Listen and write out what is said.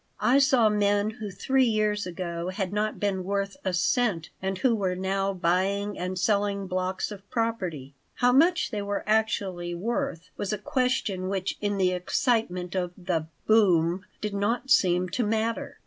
I saw men who three years ago had not been worth a cent and who were now buying and selling blocks of property. How much they were actually worth was a question which in the excitement of the "boom" did not seem to matter.